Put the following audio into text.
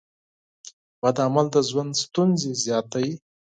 بد عمل د ژوند ستونزې زیاتوي.